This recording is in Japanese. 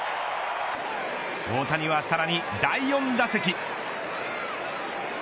大谷はさらに第４打席。